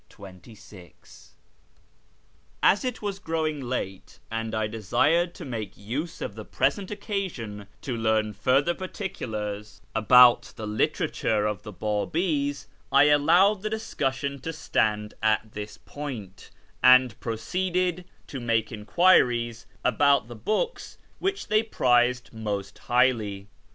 " j As it was growing late, and I desired to make use of the ')resent occasion to learn further particulars about the litera 314 A YEAR AMONGST THE PERSIANS ture of the B;ib/s, I allowed the discussion to stand at this point, and proceeded to make enquiries about the hooks whicli they prized most highly.